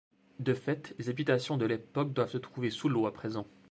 De fait, les habitations de l'époque doivent se trouver sous l'eau, à présent.